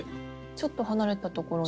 ちょっと離れたところ。